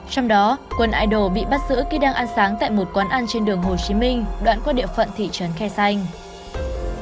trong đó quân idol bị bắt giữ khi đang ăn sáng tại một quán ăn trên đường hồ chí minh đoạn qua địa phận thị trấn khe xanh